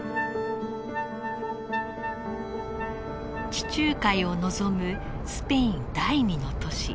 地中海を望むスペイン第二の都市